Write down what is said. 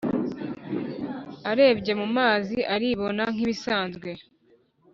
arebye mumazi aribona nkibisanzwe